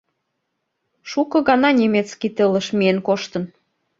Шуко гана немецкий тылыш миен коштын...